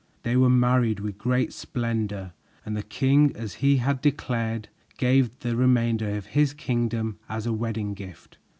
They were married with great splendor and the king, as he had declared, gave them the remainder of his kingdom as a wedding gift.